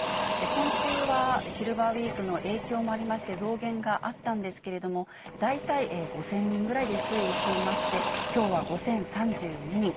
今週はシルバーウィークの影響もありまして、増減があったんですけれども、大体５０００人ぐらいで推移していまして、きょうは５０３２人。